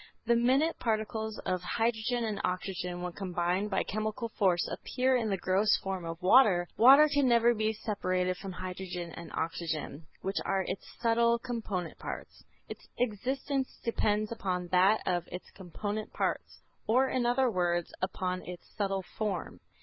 The minute particles of hydrogen and oxygen when combined by chemical force, appear in the gross form of water. Water can never be separated from hydrogen and oxygen, which are its subtle component parts. Its existence depends upon that of its component parts, or in other words, upon its subtle form.